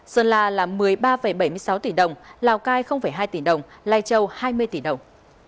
sơn la là một mươi ba bảy mươi sáu tỷ đồng lào cai hai tỷ đồng lai châu hai mươi tỷ đồng